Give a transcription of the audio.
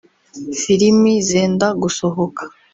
filimi zenda gusohoka